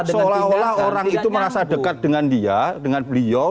seolah olah orang itu merasa dekat dengan beliau